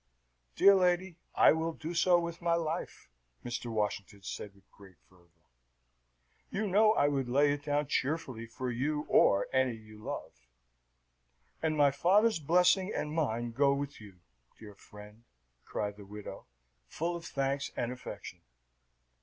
"Dear lady, I will do so with my life," Mr. Washington said with great fervour. "You know I would lay it down cheerfully for you or any you love." "And my father's blessing and mine go with you, dear friend!" cried the widow, full of thanks and affection.